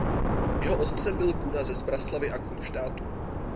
Jeho otcem byl Kuna ze Zbraslavi a Kunštátu.